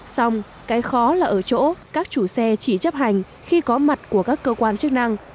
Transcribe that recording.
xong cái khó là ở chỗ các chủ xe chỉ chấp hành khi có mặt của các cơ quan chức năng